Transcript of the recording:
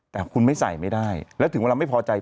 แต่คุณไม่ใส่ไม่ได้แล้วถึงเวลาไม่พอใจ